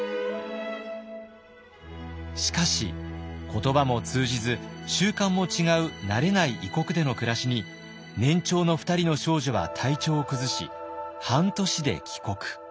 しかし言葉も通じず習慣も違う慣れない異国での暮らしに年長の２人の少女は体調を崩し半年で帰国。